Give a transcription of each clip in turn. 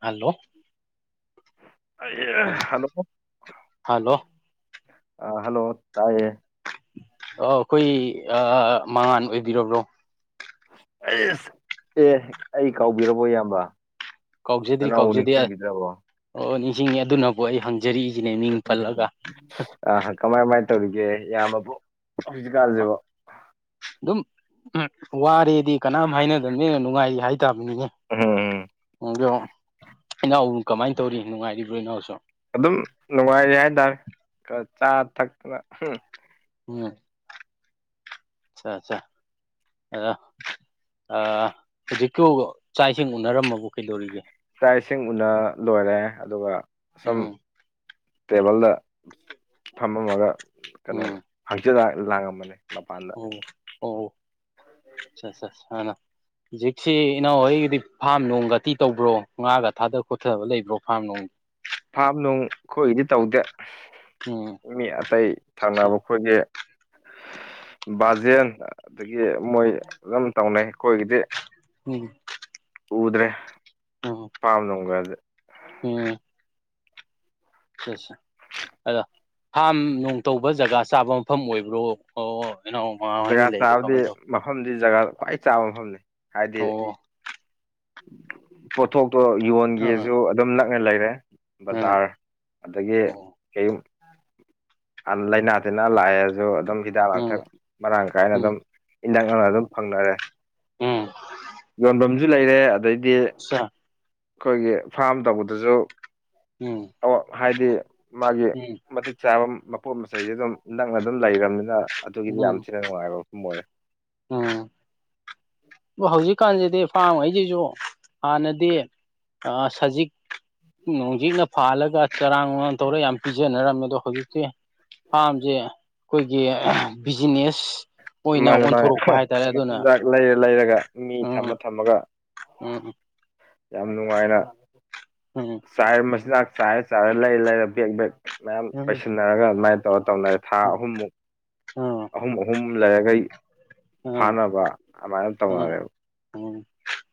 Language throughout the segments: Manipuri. ꯍꯜꯂꯣ ꯍꯜꯂꯣ ꯍꯜꯂꯣ ꯑ ꯍꯜꯂꯣ ꯇꯥꯏꯌꯦꯑꯌꯦ ꯑꯩꯈꯣꯏ ꯃꯉꯥꯟ ꯑꯣꯏꯕꯤꯔꯕ꯭ꯔꯣ ꯁ ꯑꯦ ꯑꯩ ꯀꯥꯎꯕꯤꯔꯕꯣ ꯏꯌꯥꯝꯕ ꯀꯥꯎꯖꯗ꯭ꯔꯤ ꯅꯅꯥꯎꯕꯨ ꯀꯥꯎꯖꯗꯦ ꯑꯁ ꯅꯤꯡꯁꯤꯡꯕꯤꯗ꯭ꯔꯕꯣ ꯑꯣ ꯅꯤꯡꯁꯤꯡꯉꯦ ꯑꯗꯨꯅꯕꯨ ꯑꯩ ꯍꯪꯖꯔꯤꯁꯤꯅꯦ ꯃꯤꯡ ꯄꯜꯂꯒ ꯑ ꯀꯃꯥꯏ ꯀꯃꯥꯏꯅ ꯇꯧꯔꯤꯒꯦ ꯏꯌꯥꯝꯕꯕꯨ ꯍꯧꯖꯤꯛ ꯀꯥꯟꯁꯤꯕꯣ ꯑꯗꯨꯝ ꯎ ꯋꯥꯔꯦꯗꯤ ꯀꯅꯥꯝ ꯍꯥꯏꯅꯗꯕꯅꯦꯅ ꯅꯨꯡꯉꯥꯏꯔꯤ ꯍꯥꯏꯇꯥꯥꯕꯅꯤꯅꯦ ꯎꯝ ꯑꯗꯣ ꯏꯅꯥꯎꯕꯨ ꯀꯃꯥꯏꯅ ꯇꯧꯔꯤ ꯅꯨꯡꯉꯥꯏꯔꯤꯕ꯭ꯔꯣ ꯏꯅꯥꯎꯁꯨ ꯑꯗꯨꯝ ꯅꯨꯡꯉꯥꯏꯔꯤ ꯍꯥꯏꯇꯥꯔꯦ ꯈ ꯆꯥ ꯊꯛꯇꯅ ꯑꯍꯝ ꯎꯝꯠꯆꯥ ꯑ ꯍꯧꯖꯤꯛꯀ ꯆꯥꯛ ꯏꯁꯤꯡ ꯎꯅꯔꯝꯃꯕ ꯀꯩꯗꯧꯔꯤꯒꯦ ꯏꯆꯥ ꯏꯁꯤꯡ ꯎꯅ ꯂꯣꯏꯔꯦ ꯑꯗꯨꯒ ꯁꯨꯝ ꯎꯝ ꯇꯦꯕꯜꯗ ꯐꯝꯃꯝꯃꯒ ꯀꯩꯅꯣ ꯎꯝ ꯍꯪꯆꯤꯛ ꯂꯥꯡ ꯂꯥꯡꯉꯝꯕꯅꯦ ꯃꯄꯥꯟꯗ ꯑꯣ [unintelligible] ꯍꯧꯖꯤꯛꯁꯤ ꯏꯅꯥꯎꯍꯣꯏꯒꯤꯗꯤ ꯐꯥꯝ ꯅꯨꯡꯒꯗꯤ ꯇꯧꯕ꯭ꯔꯣ ꯉꯥꯒ ꯊꯥꯗ ꯈꯣꯠꯊꯕ ꯂꯩꯕ꯭ꯔꯣ ꯐꯥꯔꯝ ꯅꯨꯡ ꯐꯥꯝ ꯅꯨꯡ ꯑꯩꯈꯣꯏꯗꯤ ꯇꯧꯗꯦ ꯑꯣ ꯃꯤ ꯑꯇꯩ ꯊꯪꯅꯕ ꯈꯣꯏꯒꯤ ꯕꯥꯖꯦꯟ ꯑꯗꯒꯤ ꯃꯣꯏ ꯑꯗꯨꯝ ꯇꯧꯅꯩ ꯑꯩꯈꯣꯏꯒꯤꯗꯤ ꯎꯝ ꯎꯗ꯭ꯔꯦ ꯑꯣ [unintelligible] ꯎꯝ ꯁꯤꯁꯦ ꯑꯗꯣ ꯐꯥꯝ ꯅꯨꯡ ꯇꯧꯕ ꯖꯒꯥ ꯆꯥꯕ ꯃꯐꯝ ꯑꯣꯏꯕ꯭ꯔꯣ ꯑꯣ ꯃꯃꯥ ꯖꯒꯥ ꯍꯣꯏꯅ ꯂꯩꯗꯣ ꯆꯥꯕꯗꯤ ꯀꯃꯥꯏꯅ ꯇꯧ ꯃꯐꯝꯗꯤ ꯖꯒꯥ ꯈ꯭ꯋꯥꯏ ꯆꯥꯕ ꯃꯐꯝꯅꯤ ꯍꯥꯏꯗꯤ ꯑꯣ ꯄꯣꯠꯊꯣꯛꯇꯣ ꯑꯥ ꯌꯣꯟꯒꯦꯁꯨ ꯑꯗꯨꯝ ꯅꯛꯅ ꯂꯩꯔꯦ ꯕꯖꯥꯔ ꯑꯗꯒꯤ ꯑꯥ ꯀꯌꯨꯝ ꯂꯥꯏꯅꯥ ꯇꯤꯟꯅꯥ ꯂꯥꯛꯑꯁꯨ ꯑꯗꯨꯝ ꯍꯤꯗꯥꯛ ꯂꯥꯡꯊꯛ ꯎꯝ ꯃꯔꯥꯡ ꯀꯥꯏꯅ ꯎꯝ ꯑꯗꯨꯝ ꯏꯅꯛ ꯅꯛꯅ ꯑꯗꯨꯝ ꯐꯪꯅꯔꯦ ꯎꯝ ꯌꯣꯟꯐꯝꯁꯨ ꯂꯩꯔꯦ ꯑꯗꯩꯗꯤ ꯑꯆꯥ ꯑꯩꯈꯣꯏꯒꯤ ꯐꯥꯝ ꯇꯧꯕꯗꯁꯨ ꯎꯝ ꯑꯣꯛ ꯍꯥꯏꯗꯤ ꯃꯥꯒꯤ ꯎꯝ ꯃꯇꯤꯛ ꯆꯥꯕꯝ ꯃꯄꯣꯠ ꯃꯆꯩꯗꯤ ꯑꯗꯨꯝ ꯅꯛꯅ ꯑꯗꯨꯝ ꯂꯩꯔꯕꯅꯤꯅ ꯑꯗꯨꯒꯤꯗꯤ ꯌꯥꯝ ꯎꯝ ꯊꯤꯅ ꯅꯨꯡꯉꯥꯏꯕ ꯃꯐꯝ ꯑꯣꯏꯔꯦ ꯎꯝ ꯍꯧꯖꯤꯛꯀꯥꯟꯁꯤꯗꯤ ꯐꯥꯝꯉꯩꯁꯤꯁꯨ ꯍꯥꯟꯅꯗꯤ ꯑ ꯁꯖꯤꯛ ꯅꯣꯡꯖꯤꯛꯅ ꯐꯥꯜꯂꯒ ꯆꯔꯥꯡ [unintelligible] ꯇꯧꯔ ꯌꯥꯝ ꯄꯤꯖꯅꯔꯝꯃꯦ ꯑꯗꯣ ꯍꯧꯖꯤꯛꯇꯤ ꯐꯥꯝꯁꯦ ꯑꯩꯈꯣꯏꯒꯤ ꯑꯍ ꯕꯤꯖꯤꯅꯦꯁ ꯑꯣꯏꯅ ꯃꯥꯅꯦ ꯃꯥꯅꯦ ꯑꯣꯟꯊꯣꯔꯛꯄ ꯍꯥꯏꯇꯥꯔꯦ ꯑꯗꯨꯅ ꯃꯆꯤꯟꯖꯥꯛ ꯂꯩꯔ ꯂꯩꯔꯒ ꯃꯤ ꯎꯝ ꯊꯝꯃ ꯊꯝꯃꯒ ꯎꯝ ꯌꯥꯝ ꯅꯨꯡꯉꯥꯏꯅ ꯎꯝ ꯆꯥꯏꯔ ꯃꯆꯤꯟꯖꯥꯛ ꯆꯥꯏꯔꯦ ꯆꯥꯏꯔꯦ ꯂꯩꯔ ꯂꯩꯔꯦ ꯕꯦꯛ ꯕꯦꯛ ꯃꯌꯥꯝ ꯎꯝ ꯄꯩꯁꯟ ꯅꯔꯒ ꯑꯗꯨꯃꯥꯏꯅ ꯇꯧꯔ ꯇꯧꯅꯔꯦ ꯊꯥ ꯎꯝ ꯑꯍꯨꯝꯃꯨꯛ ꯎꯝ ꯑꯍꯨꯝ ꯑꯍꯨꯝ ꯂꯩꯔꯒꯩ ꯎꯝ ꯐꯥꯅꯕ ꯑꯗꯨꯃꯥꯏꯅ ꯎꯝ ꯇꯧꯅꯔꯦꯕ ꯎꯝ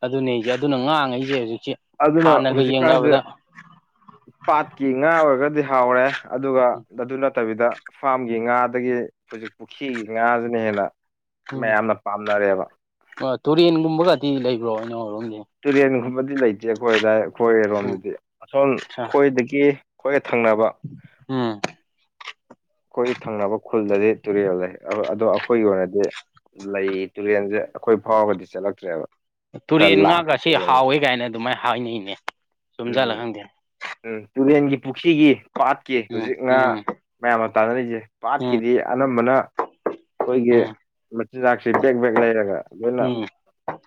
ꯑꯗꯨꯅꯦꯁ ꯑꯗꯨꯅ ꯉꯥꯡꯉꯩꯁꯦ ꯍꯧꯖꯤꯛꯁꯤ ꯑꯗꯨꯅ ꯍꯥꯟꯅꯒ ꯍꯧꯖꯤꯛꯀꯥꯟꯁꯦ ꯌꯦꯡꯅꯕꯗ [inaudible] ꯄꯥꯠꯀꯤ ꯉꯥ ꯑꯣꯏꯔꯒꯗꯤ ꯍꯥꯎꯔꯦ ꯑꯗꯨꯒ ꯑꯗꯨ ꯅꯠꯇꯕꯤꯗ ꯐꯥꯝꯒꯤ ꯉꯥꯗꯒꯤ ꯍꯧꯖꯤꯛ ꯄꯨꯈ꯭ꯔꯤꯒꯤ ꯉꯥꯁꯤꯅ ꯍꯦꯟꯅ ꯎꯝ ꯃꯌꯥꯝꯅ ꯄꯥꯝꯅꯔꯦꯕ ꯇꯨꯔꯦꯟꯒꯨꯝꯕꯒꯗꯤ ꯂꯩꯕ꯭ꯔꯣ [unintelligible] ꯇꯨꯔꯦꯟꯒꯨꯝꯕꯗꯤ ꯂꯩꯇꯦ ꯑꯩꯈꯣꯏꯗꯥꯏ ꯎꯝ ꯑꯩꯈꯣꯏꯔꯣꯝꯗꯗꯤ ꯑꯁꯣꯝ ꯑ ꯑꯩꯈꯣꯏꯗꯒꯤ ꯑꯩꯈꯣꯏꯒ ꯊꯪꯅꯕ ꯎꯝ ꯑꯩꯈꯣꯏꯒꯤ ꯊꯪꯅꯕ ꯈꯨꯜꯗꯗꯤ ꯇꯨꯔꯦꯜ ꯂꯩ ꯑꯗꯣ ꯑꯩꯈꯣꯏꯒꯤ ꯑꯣꯏꯅꯗꯤ ꯂꯩ ꯇꯨꯔꯦꯟꯖꯦ ꯑꯩꯈꯣꯏ ꯐꯥꯎꯔꯒꯗꯤ ꯆꯦꯜꯂꯛꯇ꯭ꯔꯦꯕ ꯇꯨꯔꯦꯟ ꯉꯥꯒꯁꯦ ꯍꯥꯎꯋꯦꯒꯅ ꯗꯨꯃꯥꯏꯅ ꯍꯥꯏꯅꯩꯅꯦ ꯆꯨꯝꯖꯜꯂ ꯎꯝ ꯈꯪꯗꯦ ꯎꯝ ꯇꯨꯔꯦꯟꯒꯤ ꯄꯨꯈ꯭ꯔꯤꯒꯤ ꯄꯥꯠꯀꯤ ꯎꯝ ꯍꯧꯖꯤꯛ ꯉꯥ ꯎꯝ ꯃꯌꯥꯝꯅ ꯇꯥꯅꯔꯤꯖꯦ ꯎꯝ ꯄꯥꯠꯀꯤꯗꯤ ꯑꯅꯝꯕꯅ ꯑꯩꯈꯣꯏꯒꯤ ꯎꯝ ꯃꯆꯤꯟꯖꯥꯛꯁꯤ ꯕꯦꯛ ꯕꯦꯛ ꯂꯩꯔꯒ ꯂꯣꯏꯅ ꯎꯝ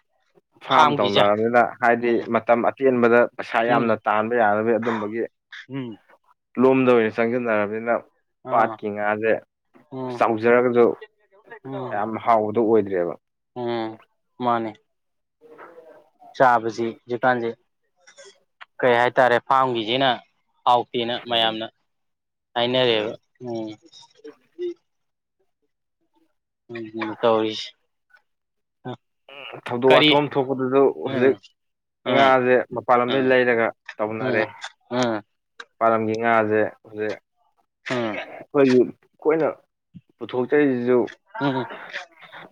[inaudible] ꯐꯥꯝ ꯇꯧꯅꯔꯕꯅꯤꯅ ꯍꯥꯏꯗꯤ ꯎꯝ ꯃꯇꯝ ꯑꯇꯦꯟꯕꯗ ꯄꯩꯁꯥ ꯎꯝ ꯌꯥꯝꯅ ꯇꯥꯟꯕ ꯌꯥꯅꯕ ꯑꯗꯨꯝꯕꯒꯤ ꯎꯝ ꯂꯣꯝꯗ ꯑꯣꯏꯅ ꯆꯪꯁꯤꯟꯅꯔꯕꯅꯤꯅ ꯑꯥ ꯄꯥꯠꯀꯤ ꯉꯥꯁꯦ ꯎꯝ ꯆꯥꯎꯖꯔꯒꯁꯨ ꯎꯝ ꯌꯥꯝ ꯍꯥꯎꯕꯗꯣ ꯑꯣꯏꯗ꯭ꯔꯦꯕ ꯎꯝ ꯃꯥꯅꯦ [inaudible] ꯆꯥꯕꯖꯤ ꯍꯧꯖꯤꯛꯀꯥꯟꯁꯦ ꯀꯩ ꯍꯥꯏꯇꯥꯔꯦ ꯐꯥꯝꯒꯤꯖꯤꯅ ꯍꯥꯎꯇꯦꯅ ꯃꯌꯥꯝꯅ ꯍꯥꯏꯅꯔꯦꯕ ꯎꯝ ꯎꯝ ꯎꯝ ꯎꯝ ꯇꯧꯔꯤꯁꯤ ꯎꯝ ꯊꯧꯗꯣꯛ ꯀꯔꯤ ꯋꯥꯊꯣꯛ ꯑꯃ ꯊꯣꯛꯄꯗꯨꯁꯨ ꯍꯧꯖꯤꯛ ꯎꯝ ꯎꯝ ꯉꯥꯖꯦ ꯃꯄꯥꯟ ꯂꯝꯗꯩ ꯎꯝ ꯂꯩꯔꯒ ꯇꯧꯅꯔꯦ ꯎꯝ ꯎꯝ ꯄꯥꯂꯝꯒꯤ ꯉꯥꯁꯦ ꯍꯧꯖꯤꯛ ꯑꯩꯈꯣꯏꯒꯤ ꯑꯩꯈꯣꯏꯅ ꯄꯨꯊꯣꯛꯆꯔꯤꯁꯤꯁꯨ ꯎꯝ ꯎꯝ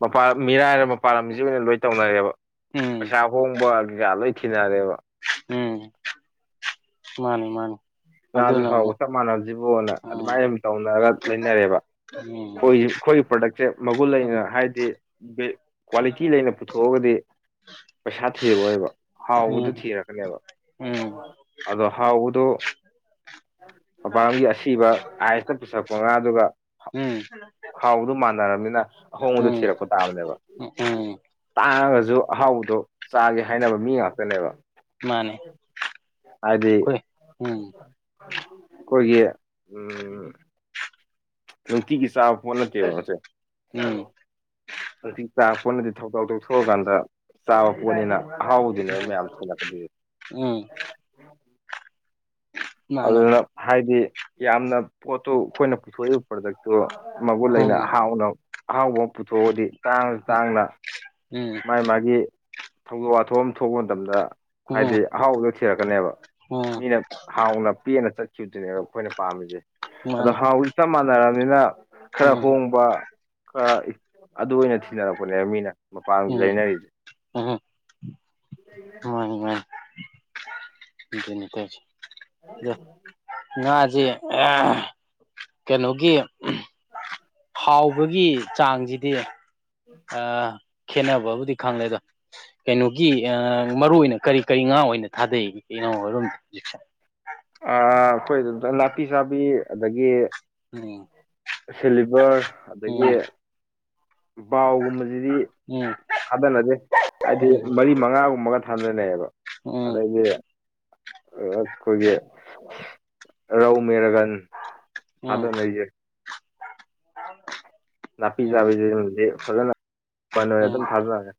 ꯃꯄꯥ ꯃꯤꯔꯥꯏꯔ ꯄꯥꯂꯝꯁꯤ ꯑꯣꯏꯅ ꯂꯣꯏ ꯇꯧꯅꯔꯦꯕ ꯎꯝ ꯄꯩꯁꯥ ꯍꯣꯡꯕ ꯀꯩꯀꯥ ꯂꯣꯏ ꯊꯤꯅꯔꯦꯕ ꯎꯝ ꯃꯥꯅꯦ ꯃꯥꯅꯦ ꯉꯥꯁꯨ ꯍꯥꯎꯕ ꯆꯞ ꯃꯥꯟꯅꯕꯁꯤꯕꯣꯅ ꯎꯝ ꯑꯗꯨꯃꯥꯏꯅ ꯑꯗꯨꯝ ꯇꯧꯅꯔꯒ ꯂꯩꯅꯔꯦꯕ ꯎꯝ ꯑꯩꯈꯣꯏ ꯑꯩꯈꯣꯏꯒꯤ ꯄ꯭ꯔꯗꯛꯁꯦ ꯃꯒꯨꯟ ꯎꯝ ꯂꯩꯅ ꯍꯥꯏꯗꯤ ꯀ꯭ꯋꯥꯂꯤꯇꯤ ꯂꯩꯅ ꯄꯨꯊꯣꯛꯑꯒꯗꯤ ꯄꯩꯁꯥ ꯊꯤꯔꯛ ꯑꯣꯏꯕ ꯎꯝ ꯍꯥꯎꯕꯗꯨ ꯊꯤꯔꯛꯀꯅꯦꯕ ꯎꯝ ꯑꯗ ꯍꯥꯎꯕꯗꯨ ꯃꯄꯥꯟꯒꯤ ꯑꯁꯤꯕ ꯑꯥꯏꯁꯇ ꯄꯨꯁꯜꯂꯛꯄ ꯉꯥꯗꯨꯒ ꯍ [inaudible] ꯍꯥꯎꯕꯗꯨ ꯃꯥꯟꯅꯔꯕꯅꯤꯅ ꯑꯍꯣꯡꯕꯗꯨ ꯊꯤꯔꯛꯄ ꯇꯥꯕꯅꯦꯕ ꯎꯝ ꯇꯥꯡꯉꯒꯁꯨ ꯑꯍꯥꯎꯕꯗꯣ ꯆꯥꯒꯦ ꯍꯥꯏꯅꯕ ꯃꯤ ꯉꯥꯛꯇꯅꯦꯕ ꯃꯥꯅꯦ ꯀꯣꯏ ꯎꯝ ꯀꯣꯏꯒꯤ ꯅꯨꯡꯇꯤꯒꯤ ꯆꯥꯕ ꯄꯣꯠ ꯅꯠꯇꯦꯕ ꯃꯁꯦ ꯎꯝ ꯑꯗꯨꯤ [unintelligible] ꯆꯥꯄꯅꯗꯤ [unintelligible] ꯊꯧꯗꯥꯎ [unintelligible] ꯇꯧꯊꯣꯛꯑꯀꯥꯟꯗ ꯆꯥꯕ ꯄꯣꯠꯅꯤꯅ ꯑꯍꯥꯎꯕꯗꯨꯅꯦꯕ ꯃꯌꯥꯝ ꯎꯝ ꯃꯥꯅꯦ ꯑꯗꯨꯅ ꯍꯥꯏꯗꯤ ꯌꯥꯝꯅ ꯄꯣꯠꯇꯨ ꯑꯩꯈꯣꯏꯅ ꯄꯨꯊꯣꯛꯏ ꯄ꯭ꯔꯗꯛꯇꯨ ꯃꯒꯨꯟ ꯂꯩꯅ ꯎꯝ ꯎꯝ ꯍꯥꯎꯅ ꯑꯍꯥꯎꯕ ꯑꯃ ꯄꯨꯊꯣꯛꯑꯗꯤ ꯇꯥꯡꯉꯁꯨ ꯇꯥꯡꯅ ꯎꯝ ꯃꯥ ꯃꯥꯒꯤ ꯊꯧꯗꯣꯛ ꯋꯥꯊꯣꯛ ꯑꯃ ꯊꯣꯛꯄ ꯃꯇꯝꯗ ꯍꯥꯏꯗꯤ ꯎꯝ ꯑꯍꯥꯎꯕꯗ ꯊꯤꯔꯛꯀꯅꯦꯕ ꯃꯤꯅ ꯍꯥꯎꯅ ꯄꯦꯅ ꯆꯠꯈꯤꯕꯗꯨꯅꯦꯕ ꯑꯩꯈꯣꯏꯅ ꯄꯥꯝꯃꯤꯁꯦ ꯑꯗꯣ ꯃꯥꯅꯦ ꯍꯥꯎꯏ ꯆꯞ ꯃꯥꯟꯅꯔꯕꯅꯤꯅ ꯈꯔ ꯎꯝ ꯍꯣꯡꯕ ꯈꯔ ꯏꯛ ꯑꯗꯨ ꯑꯣꯏꯅ ꯊꯤꯅꯔꯛꯄꯅꯦꯕ ꯃꯤꯅ ꯃꯄꯥꯟꯒꯤ ꯎꯝ ꯂꯩꯅꯔꯤꯁꯦ ꯎꯝ [unintelligible] ꯃꯥꯅꯤ ꯃꯥꯅꯤ ꯅꯠꯇꯦ ꯅꯠꯇꯦ ꯉꯖꯤ ꯀꯩꯅꯣꯒꯤ ꯍꯥꯎꯕꯒꯤ ꯆꯥꯡꯁꯤꯗꯤ ꯑ ꯈꯦꯠꯅꯕꯕꯨꯗꯤ ꯈꯪꯂꯦ ꯑꯗꯣ ꯀꯩꯅꯣꯒꯤ ꯑ ꯃꯔꯨꯏ ꯑꯣꯏꯅ ꯀꯔꯤ ꯀꯔꯤ ꯉꯥ ꯑꯣꯏꯅ ꯊꯥꯗꯩ ꯏꯅꯥꯎꯔꯣꯝꯗ ꯍꯧꯖꯤꯛꯁꯦ ꯑ ꯑꯩꯈꯣꯏꯗꯨꯘ ꯅꯥꯄꯤ ꯆꯥꯕꯤ ꯑꯗꯒꯤ ꯎꯝ ꯁꯤꯜꯚꯔ ꯑꯗꯒꯤ ꯎꯝ ꯕꯥꯎꯒꯨꯝꯕꯁꯤꯗꯤ ꯎꯝ ꯊꯥꯗꯅꯗꯦ ꯍꯥꯏꯗꯤ ꯃꯔꯤ ꯃꯉꯥꯒꯨꯝꯕꯒ ꯊꯥꯗꯅꯩꯌꯦꯕ ꯎꯝ ꯑꯗꯒꯤ ꯑꯩꯈꯣꯏꯒꯤ ꯔꯧ ꯃꯦꯔꯥꯒꯟ ꯊꯥꯗꯅꯩꯁꯦ ꯑ [unintelligible] ꯅꯥꯄꯤ ꯆꯥꯕꯤꯁꯦ ꯑꯗꯨꯝꯗꯤ ꯐꯖꯅ ꯎꯝ ꯎꯝ ꯑꯗꯨꯝ ꯊꯥꯖꯔꯒꯦ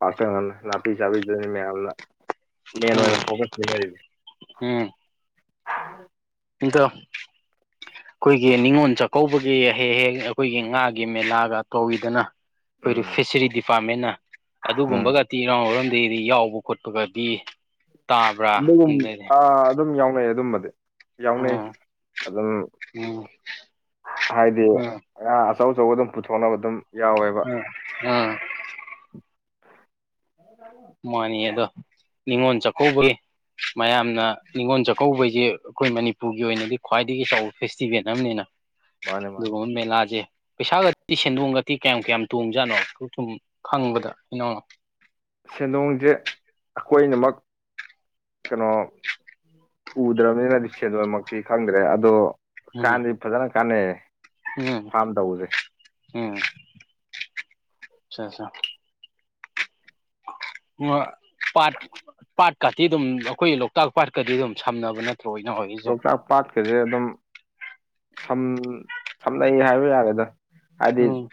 ꯄꯥꯛꯇꯛꯅꯅ ꯅꯥꯄꯤ ꯆꯥꯕꯤꯗꯨꯅꯤ ꯃꯌꯥꯝꯅ ꯃꯦꯟ ꯑꯣꯏꯅ ꯐꯣꯀꯁ ꯄꯤꯅꯔꯤꯁꯤ ꯎꯝ ꯏꯇꯣ [unintelligible] ꯑꯩꯈꯣꯏꯒꯤ ꯅꯤꯉꯣꯜ ꯆꯥꯛꯀꯧꯕꯒꯤ ꯍꯦꯛ ꯍꯦꯛ ꯑꯩꯈꯣꯏꯒꯤ ꯉꯥꯒꯤ ꯃꯦꯂꯥꯒ ꯇꯧꯋꯤꯗꯅ ꯑꯩꯈꯣꯏ ꯎꯝ ꯐꯤꯁꯔꯤ ꯗꯤꯄꯥꯔ꯭ꯠꯃꯦꯟꯅ ꯎꯝ ꯑꯗꯨꯒꯨꯝꯕꯒ ꯇꯤ ꯏꯔꯥꯡ [unintelligible] ꯍꯔꯝꯗꯩꯗꯤ [unintelligible] ꯌꯥꯎꯕ ꯈꯣꯠꯄꯒꯗꯤ ꯇꯥꯕ꯭ꯔꯥ ꯑꯗꯨꯒꯨꯝ ꯑꯗꯩꯗꯤ ꯑ ꯑꯗꯨꯝ ꯌꯥꯎꯅꯩ ꯑꯗꯨꯝꯕꯗꯤ ꯌꯥꯎꯅꯩ ꯎꯝ ꯑꯗꯨꯝ ꯎꯝ ꯍꯥꯏꯗꯤ ꯎꯝ ꯑ ꯑꯆꯧ ꯑꯆꯧꯕ ꯑꯗꯨꯝ ꯄꯨꯊꯣꯛꯅꯕ ꯑꯗꯨꯝ ꯌꯥꯎꯋꯦꯕ ꯎꯝ ꯎꯝ ꯃꯥꯅꯤꯌꯦ ꯑꯗꯣ ꯅꯤꯡꯉꯣꯜ ꯆꯥꯛꯀꯧꯕꯒꯤ ꯃꯌꯥꯝꯅ ꯅꯤꯡꯅꯤꯉꯣꯜ ꯆꯥꯛꯀꯧꯕꯩꯁꯤ ꯑꯩꯈꯣꯏ ꯃꯅꯤꯄꯨꯔꯒꯤ ꯑꯣꯏꯅꯗꯤ ꯈ꯭ꯋꯥꯏꯗꯒꯤ ꯆꯥꯎꯕ ꯐꯦꯁꯇꯤꯚꯦꯜ ꯑꯝꯅꯤꯅ ꯃꯥꯅꯦ ꯃꯥꯅꯦ ꯑꯗꯨꯒꯨꯝꯕ ꯃꯦꯂꯥꯁꯦ ꯄꯩꯁꯥꯒꯗꯤ ꯁꯦꯟꯗꯣꯡꯒꯗꯤ ꯀꯌꯥꯝ ꯀꯌꯥꯝ ꯇꯣꯝꯖꯥꯠꯅꯣ ꯁꯨꯝ ꯈꯪꯕꯗ ꯏꯅꯥꯎꯅ ꯁꯦꯟꯗꯣꯡꯁꯦ ꯑꯩꯈꯣꯏꯅꯃꯛ ꯀꯩꯅꯣ ꯎꯗ꯭ꯔꯕꯅꯤꯅꯗꯤ ꯁꯦꯟꯗꯣꯡꯃꯛꯇꯤ ꯈꯪꯗ꯭ꯔꯦ ꯑꯗꯣ ꯎꯝ ꯀꯥꯟꯗꯤ ꯐꯖꯅ ꯀꯥꯟꯅꯩ ꯎꯝ ꯎꯝ ꯄꯥꯠ ꯄꯥꯠꯀꯥꯇꯤ ꯑꯗꯨꯝ ꯑꯩꯈꯣꯏꯒꯤ ꯂꯣꯛꯇꯥꯛ ꯄꯥꯠꯀꯗꯤ ꯑꯗꯨꯝ ꯁꯝꯅꯕ ꯅꯠ ꯇꯣꯏꯅ ꯍꯌꯦꯁꯨꯨꯝ ꯄꯠ ꯀꯦꯖꯤꯦ ꯑꯗꯨꯝ ꯝ ꯁꯝꯅꯩ ꯍꯥꯏꯕ ꯌꯥꯒꯦꯗ ꯍꯥꯏꯗꯤ ꯎꯝ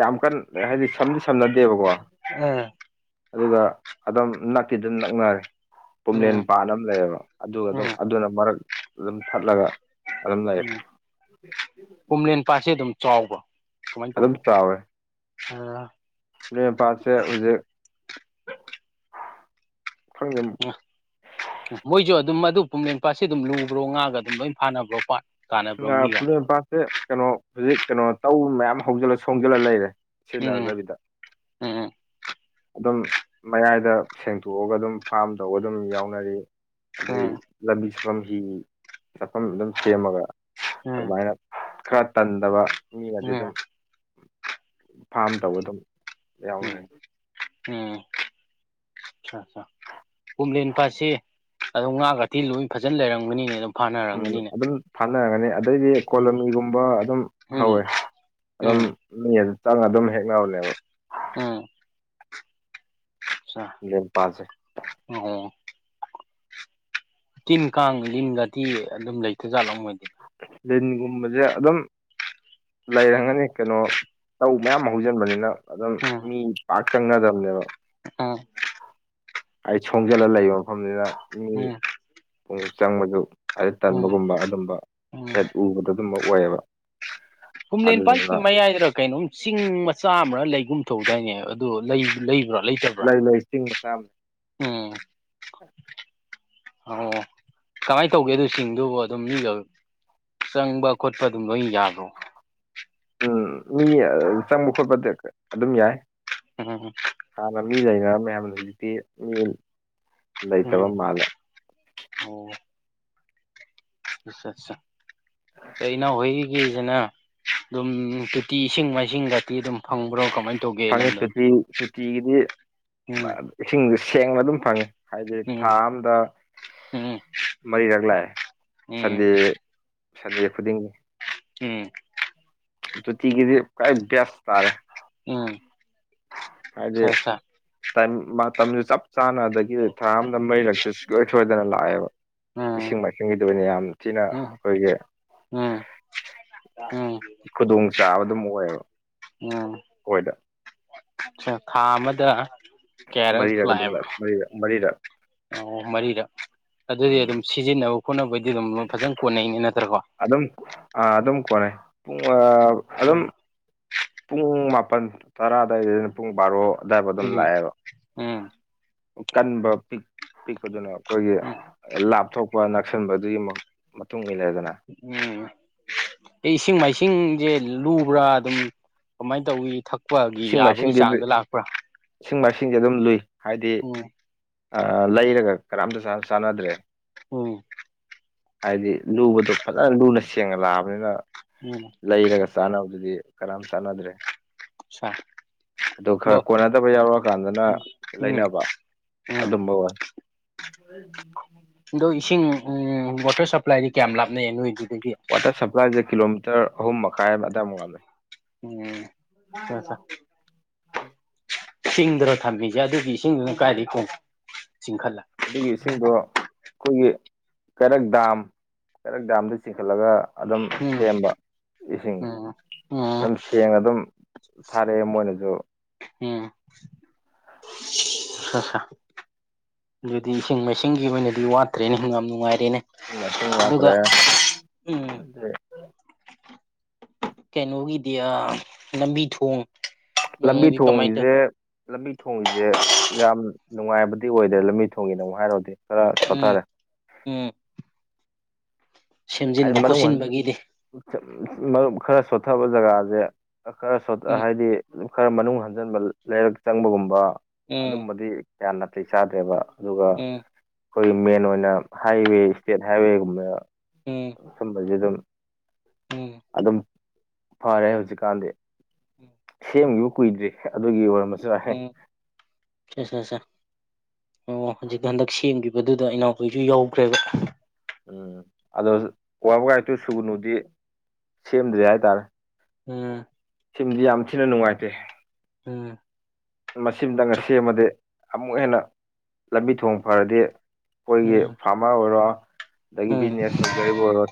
ꯌꯥꯝ ꯀꯟꯅ ꯍꯥꯏꯗꯤ ꯁꯝꯗꯤ ꯁꯝꯅꯗꯦꯕꯀꯣ ꯎꯝ ꯑꯗꯨꯒ ꯑꯗꯨꯝ ꯅꯛꯇꯤ ꯑꯗꯨꯝ ꯅꯛꯅꯔꯦ ꯄꯨꯝꯂꯦꯟ ꯎꯝ ꯄꯥꯠ ꯑꯃ ꯂꯩꯌꯦꯕ ꯑꯗꯨꯒ ꯑꯗꯨꯝ ꯎꯝ ꯑꯗꯨꯅ ꯃꯔꯛ ꯑꯗꯨꯝ ꯊꯠꯂꯒ ꯑꯜꯍꯂꯝꯗꯏꯔ ꯀꯣꯨꯝꯂꯦꯟ ꯄꯥꯠꯁꯦ ꯑꯗꯨꯝ ꯆꯥꯎꯕ ꯀꯃꯥꯏꯅ ꯑꯗꯨꯝ ꯇꯧꯒꯦ ꯅꯣꯏ ꯄꯥꯠꯁꯦ ꯍꯧꯖꯤꯛ ꯊꯪ ꯎꯝ ꯎ ꯃꯣꯏꯁꯨ ꯑꯗꯨꯝ ꯑꯗꯨ ꯄꯃꯦꯦꯟ ꯄꯥꯠꯁꯤ ꯑꯗꯨꯝ ꯂꯨꯕ꯭ꯔꯣ ꯉꯥꯒ ꯑꯗꯨꯝ ꯂꯣꯏ ꯐꯥꯅꯕ꯭ꯔꯣ ꯄꯥꯠ ꯀꯥꯟꯅꯕ꯭ꯔꯣ ꯐꯅ ꯃꯤꯒ ꯃꯄꯥꯁꯦ ꯀꯩꯅꯣ ꯍꯧꯖꯤꯛ ꯀꯩꯅꯣ ꯇꯧꯕ ꯃꯌꯥꯝ ꯍꯧꯖꯤꯜꯂ ꯁꯣꯝꯖꯤꯜꯂ ꯂꯩꯔꯦ ꯎꯝ ꯁꯤꯖꯤꯟꯅꯘꯕꯤꯗ ꯎꯝ ꯑꯗꯨꯝ ꯃꯌꯥꯏꯗ ꯁꯦꯡꯇꯣꯛꯑꯒ ꯑꯗꯨꯝ ꯐꯥꯝ ꯇꯧꯕ ꯑꯗꯨꯝ ꯌꯥꯎꯅꯔꯤ ꯑꯗꯩ ꯎꯝ ꯂꯝꯕꯤ ꯆꯠꯐꯝ ꯍꯤ ꯆꯠꯐꯝ ꯑꯗꯨꯝ ꯁꯦꯝꯃꯒ ꯎꯝ ꯑꯗꯨꯃꯥꯏꯅ ꯈꯔ ꯇꯟꯗꯕ ꯃꯤ ꯑꯗꯨ ꯑꯗꯨꯝ ꯎꯝ ꯐꯥꯝ ꯇꯧꯕ ꯑꯗꯨꯝ ꯌꯥꯎꯅꯔꯤ ꯎꯝ ꯎꯝ ꯆꯥ ꯆꯥ ꯀꯣꯝꯂꯦꯟ ꯄꯥꯠꯁꯤ ꯑꯗꯨꯝ ꯉꯥꯒꯗꯤ ꯂꯣꯏꯟ ꯐꯖꯟ ꯂꯩꯔꯝꯒꯅꯤꯅꯦ ꯑꯗꯨꯝ ꯎꯝ ꯐꯥꯅꯔꯝꯒꯅꯤꯅꯦ ꯑꯗꯨꯝ ꯊꯥꯅꯔꯝꯒꯅꯤ ꯑꯗꯩꯗꯤ ꯎꯝ ꯀꯣꯂꯣꯅꯤꯒꯨꯝꯕ ꯑꯗꯨꯝ ꯎꯝ ꯍꯧꯋꯦ ꯑꯗꯨꯝ ꯎꯝ ꯃꯤ ꯑꯗꯨ ꯆꯪꯉ ꯑꯗꯨꯝ ꯍꯦꯛꯅꯕꯅꯦꯕ ꯎꯝ ꯑ ꯂꯦꯝ ꯄꯥꯁꯦ ꯑꯣ ꯇꯤꯟ ꯀꯥꯡ ꯇꯤꯟ ꯥꯇꯤ ꯑꯗꯨꯝ ꯂꯩꯇꯖꯥꯠꯂꯝ ꯃꯣꯏꯗꯤ ꯂꯤꯟꯒꯨꯝꯕꯁꯦ ꯑꯗꯨꯝ ꯂꯩꯔꯝꯒꯅꯤ ꯀꯩꯅꯣ ꯇꯧ ꯃꯌꯥꯝ ꯍꯧꯖꯤꯟꯕꯅꯤꯅ ꯑꯗꯨꯝ ꯃꯤ ꯄꯥꯛ ꯆꯪꯒꯗꯝꯕꯅꯦꯕ ꯑ ꯑꯩ ꯁꯣꯡꯖꯤꯜꯂꯒ ꯂꯩꯕ ꯃꯐꯝꯅꯤꯅ ꯃꯤ ꯎꯝ ꯄ ꯆꯪꯕꯗꯨ ꯍꯥꯏꯩ ꯎꯝ ꯇꯟꯕꯒꯨꯝꯕ ꯑꯗꯨꯝꯕ ꯎꯝ ꯍꯦꯠ ꯎꯕꯗ ꯑꯗꯨꯃꯛ ꯑꯣꯏꯌꯦꯕ ꯀꯨꯝꯂꯦꯟ ꯄꯥꯏꯠꯀꯤ ꯑꯗꯨꯗꯨꯅ ꯃꯌꯥꯏꯗ ꯀꯩꯅꯣꯝ ꯆꯤꯡ ꯃꯆꯥ ꯑꯃꯔ ꯂꯩꯒꯨꯝ ꯊꯧꯗꯥꯏꯅꯦ ꯑꯗꯨ ꯂꯩꯕ꯭ꯔꯥ ꯂꯩ ꯂꯩ ꯆꯤꯡ ꯃ ꯆꯥ ꯂꯩ ꯑꯣ ꯑꯣ ꯀꯃꯥꯏꯅ ꯇꯧꯒꯦ ꯑꯗꯨ ꯆꯤꯡꯗꯨꯕꯨ ꯑꯗꯨꯝ ꯃꯤꯒ ꯆꯪꯕ ꯈꯣꯠꯄ ꯑꯗꯨꯝ ꯂꯣꯏꯅ ꯌꯥꯕ꯭ꯔꯣ ꯎꯝ ꯃꯤ ꯆꯪꯕ ꯈꯣꯠꯄꯗꯤ ꯑꯗꯨꯝ ꯌꯥꯏ ꯑꯣꯝ ꯍꯥꯟꯅ ꯃꯤ ꯂꯩꯅꯔ ꯃꯌꯥꯝꯅ ꯍꯧꯖꯤꯛꯇꯤ ꯃꯤ ꯎꯝ ꯂꯩꯇꯕ ꯃꯥꯜꯂꯦ ꯑꯣ ꯑꯆꯥ ꯑꯆꯥ ꯀ ꯏꯅꯥꯎ ꯍꯣꯏꯒꯤꯁꯤꯅ ꯑꯗꯨꯝ ꯇꯣꯇꯤ ꯏꯁꯤꯡ ꯃꯥꯏꯁꯤꯡꯒꯇꯤ ꯑꯗꯨꯝ ꯐꯪꯕ꯭ꯔꯣ ꯀꯃꯥꯏ ꯇ ꯐꯪꯉꯤ ꯇꯣꯇꯤ ꯇꯨꯇꯤꯒꯤꯗꯤ ꯎꯝ ꯏꯁꯤꯡꯁ ꯁꯦꯡꯅ ꯑꯗꯨꯝ ꯐꯪꯉꯤ ꯍꯥꯏꯗꯤ ꯎꯝ ꯊꯥ ꯑꯝꯗ ꯎꯝ ꯃꯔꯤꯔꯛ ꯂꯥꯛꯑꯦ ꯎꯝ ꯁꯟꯗꯦ ꯁꯟꯗꯦ ꯈꯨꯗꯤꯡꯒꯤ ꯎꯝ ꯑꯗꯨ ꯇꯤꯒꯤꯗꯤ ꯀꯥꯏ ꯦꯁ ꯇꯔꯦ ꯎꯝ ꯍꯥꯏꯗꯤ ꯁꯥ ꯁꯥ ꯃꯇꯝꯁꯨ ꯆꯞ ꯆꯥꯅ ꯑꯗꯒꯤ ꯊꯥ ꯑꯝꯗ ꯃꯩꯔꯛꯇ ꯨꯡꯁꯣꯏ ꯁꯣꯏꯗꯅ ꯂꯥꯛꯑꯦꯕ ꯎꯝ ꯏꯁꯤꯡ ꯃꯥꯏꯁꯤꯡꯒꯤ ꯑꯣꯏꯅ ꯌꯥꯝ ꯊꯤꯅ ꯎꯝ ꯑꯩꯈꯣꯏꯒꯤ ꯎꯝ ꯎꯝ ꯈꯨꯗꯣꯡꯆꯥꯥꯕ ꯑꯗꯨꯝ ꯑꯣꯏꯌꯦꯕ ꯑ ꯑꯣꯏꯣꯏꯗ ꯑ ꯈꯥ ꯃꯗ ꯃꯔꯤꯔꯛ ꯑꯗꯨ ꯃꯔꯤꯔ ꯃꯔꯤꯔꯛ ꯑꯣ ꯃꯔꯤꯗ ꯑꯗꯨꯗꯤ ꯎꯝ ꯑꯗꯨꯝ ꯁꯤꯖꯤꯟꯅꯕ ꯈꯣꯠꯅꯕꯩꯗꯤ ꯑꯗꯨꯝ ꯐꯖꯅ ꯀꯣꯟꯅꯩꯅꯦ ꯅꯠꯇ꯭ꯔꯀꯣ ꯑꯗꯨꯝ ꯑ ꯑꯗꯨꯝ ꯀꯔꯦ ꯄꯨꯡ ꯐ ꯑꯗꯨꯝ ꯄꯨꯡ ꯃꯥꯄꯜ ꯇꯔꯥ ꯑꯗꯨꯋꯥꯏꯗꯅ ꯄꯨꯡ ꯕꯥꯔꯣ ꯑꯗꯨꯗꯥꯏꯐ ꯑꯗꯨꯝ ꯎꯝ ꯂꯥꯛꯑꯦꯕ ꯎꯝ ꯀꯟꯕ ꯄꯤꯛ ꯄꯤꯛꯄꯗꯨꯅ ꯑꯩꯈꯣꯏꯒꯤ ꯎꯝ ꯂꯥꯞꯊꯣꯛꯄ ꯅꯛꯁꯟꯕꯗꯨꯒꯤ ꯃꯇꯨꯡ ꯏꯟꯅꯗꯅ ꯎꯝ ꯑꯦ ꯏꯁꯤꯡ ꯃꯥꯏꯁꯤꯡꯁꯦ ꯂꯨꯕ꯭ꯔꯥ ꯑꯗꯨꯝ ꯀꯃꯥꯏꯅ ꯇꯧꯋꯤꯛ ꯏꯁꯤꯡ ꯃꯥꯏꯁꯤꯡꯁꯤ ꯏꯁꯤꯡ ꯃꯥꯏꯁꯤꯡꯁꯦ ꯑꯗꯨꯝ ꯂꯨꯏ ꯍꯥꯏꯗꯤ ꯎꯝ ꯑ ꯂꯩꯔꯒ ꯀꯔꯝꯇ ꯆꯥꯟꯅꯗ꯭ꯔꯦ ꯎꯝ ꯍꯥꯏꯗꯤ ꯂꯨꯕꯗꯣ ꯐꯖꯅ ꯂꯨꯅ ꯁꯦꯡꯉ ꯂꯥꯛꯑꯕꯅꯤꯅ ꯎ ꯂꯩꯔꯒ ꯆꯥꯟꯅꯕꯗꯨꯗꯤ ꯀꯔꯝ ꯆꯥꯟꯅꯗ꯭ꯔꯦ ꯆꯥ ꯑꯗꯨ ꯈꯔ ꯀꯣꯟꯅꯗꯕ ꯌꯥꯎꯔꯀꯥꯟꯗꯅ ꯎꯝ ꯂꯩꯅꯕ ꯎꯝ ꯑꯗꯨꯝꯕ ꯑꯣꯏ ꯑꯗꯣ ꯏꯁꯤꯡ ꯋꯥꯇꯔ ꯁꯄ꯭ꯂꯥꯏꯗꯤ ꯀꯌꯥꯝ ꯂꯥꯞꯅꯩ ꯅꯣꯏꯗꯨꯗꯒꯤ ꯋꯥꯇꯔ ꯁꯄ꯭ꯂꯥꯏꯁꯦ ꯀꯤꯂꯣꯃꯤꯇꯔ ꯑꯍꯨꯝ ꯃꯈꯥꯏ ꯑꯃ ꯑꯗꯨꯏ ꯃꯉꯛꯜ ꯎꯝ ꯁꯤꯡꯗ꯭ꯔ ꯊꯝꯃꯤꯁꯦ ꯑꯗꯨꯒꯤ ꯏꯁꯤꯡꯗꯨꯅ ꯀꯥꯏꯗꯒꯤ ꯈꯣꯡꯉ ꯆꯤꯡꯈꯠꯂꯒ ꯑꯗꯨꯒꯤ ꯏꯁꯤꯡꯗꯣ ꯑꯩꯈꯣꯏꯒꯤ ꯀꯩꯔꯛ ꯗꯥꯝ ꯀꯩꯔꯛ ꯗꯥꯝꯗ ꯆꯤꯡꯈꯠꯂꯒ ꯑꯗꯨꯝ ꯎꯝ ꯁꯦꯝꯕ ꯏꯁꯤꯡ ꯎꯝ ꯎꯝ ꯑꯗꯨꯝ ꯁꯦꯡꯅ ꯑꯗꯨꯝ ꯊꯥꯔꯛꯑꯦ ꯃꯣꯏꯅꯁꯨ ꯎꯝꯁ ꯑꯗꯨꯗꯤ ꯏꯁꯤꯡ ꯃꯥꯏꯁꯤꯡꯒꯤ ꯑꯣꯏꯅꯗꯤ ꯋꯥꯠꯇ꯭ꯔꯦꯅꯦ ꯌꯥꯝ ꯅꯨꯡꯉꯥꯏꯔꯦꯅꯦ ꯏ ꯃꯆꯤꯡ ꯑꯗꯨꯒ ꯃꯥꯇ꯭ꯔꯦ ꯎꯝ ꯑꯗꯨꯗꯦ ꯀꯩꯅꯣꯒꯤꯗꯤ ꯑ ꯂꯝꯕꯤ ꯊꯣꯡ ꯂꯝꯕꯤ ꯅꯨꯡꯒꯤ ꯀꯃꯥꯏ ꯇꯧ ꯊꯣꯡꯁꯦ ꯂꯝꯕꯤ ꯊꯣꯡꯁꯦ ꯌꯥꯝ ꯅꯨꯡꯉꯥꯏꯕꯗꯤ ꯑꯣꯏꯗ꯭ꯔꯦ ꯂꯝꯕꯤ ꯊꯣꯡꯒꯤꯅ ꯑꯃꯨꯛ ꯍꯥꯏꯔꯗꯤ ꯈꯔ ꯎꯝ ꯁꯣꯊꯔꯦ ꯎꯝ ꯍꯥꯏꯗꯤ ꯁꯦꯝꯖꯤꯟꯕ ꯃꯅꯨꯡ ꯈꯣꯠꯆꯤꯟꯕꯒꯤꯗꯤ [unintelligible] ꯈꯔ ꯁꯣꯠꯊꯕ ꯖꯒꯥꯁꯦ ꯈꯔ ꯁꯣꯊ ꯎꯝ ꯍꯥꯏꯗꯤ ꯈꯔ ꯃꯅꯨꯡ ꯍꯟꯖꯤꯟꯕ ꯂꯩꯔꯛ ꯆꯪꯕꯒꯨꯝꯕ ꯎꯝ ꯑꯗꯨꯝꯕꯗꯤ ꯀꯌꯥ ꯅꯥꯇꯩ ꯆꯥꯗ꯭ꯔꯦꯕ ꯑꯗꯨꯒ ꯎꯝ ꯑꯩꯈꯣꯏꯒꯤ ꯃꯦꯟ ꯑꯣꯏꯅ ꯍꯥꯏꯋꯦ ꯏꯁꯇꯦꯠ ꯍꯥꯏꯋꯦꯒꯨꯝꯕ ꯎꯝ ꯁꯨꯝꯕꯖꯦ ꯑꯗꯨꯝ ꯎꯝ ꯑꯗꯨꯝ ꯐꯔꯦ ꯍꯧꯖꯤꯛꯀꯥꯟꯗꯤ ꯎꯝ ꯁꯦꯝꯈꯤꯕ ꯀꯨꯏꯗ꯭ꯔꯤ ꯑꯗꯨꯒꯤ ꯑꯣꯏꯔꯝꯕ ꯑꯝ ꯁꯦꯁꯦ ꯑꯣ ꯍꯧꯖꯤꯛ ꯍꯟꯗꯛ ꯁꯦꯝꯈꯤꯕꯗꯨꯗ ꯏꯅꯥꯎꯈꯣꯏꯁꯨ ꯌꯧꯈ꯭ꯔꯦꯕ ꯎꯝ ꯑꯗꯣ ꯋꯕꯒꯥꯏ ꯇꯨ ꯁꯨꯒꯨꯅꯨꯗꯤ ꯁꯦꯝꯗ꯭ꯔꯦ ꯍꯥꯏꯇꯥꯔꯦ ꯎꯝ ꯁꯤꯃꯥꯗꯤ ꯌꯥꯝ ꯊꯤꯅ ꯅꯨꯡꯉꯥꯏꯇꯦ ꯎꯝ ꯃꯁꯤꯃꯇꯪꯒ ꯁꯦꯝꯃꯗꯤ ꯑꯃꯨꯛ ꯍꯦꯟꯅ ꯂꯝꯕꯤ ꯊꯣꯡ ꯐꯔꯗꯤ ꯑꯩꯈꯣꯏꯒꯤ ꯎꯝ ꯐꯥꯔꯃꯔ ꯑꯣꯏꯔꯣ ꯑꯗꯒꯤ ꯎꯝ ꯕꯤꯖꯤꯅꯦꯁ ꯇꯧꯖꯔꯤꯕ ꯑꯣꯏꯔꯣ